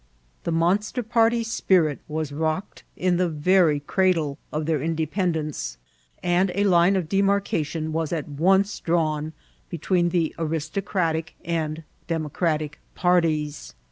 The monster party q>irit was rocked in the very crar die of their independence, and a line of demarcation was at once drawn between the Aristocratic and Demo cratic parties.